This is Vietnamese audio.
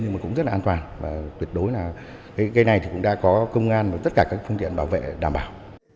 nhưng cũng rất là an toàn và tuyệt đối là cái này cũng đã có công an và tất cả các phương tiện bảo vệ đảm bảo